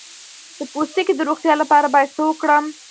د پوستکي د روغتیا لپاره باید څه وکړم؟